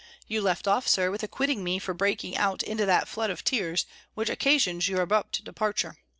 "You left off, Sir, with acquitting me for breaking out into that flood of tears, which occasioned your abrupt departure.